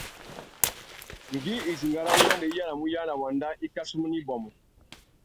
Ngüi idinga râ nguêndê i yānamú uyāna wanda, i kachimú nà ibômô.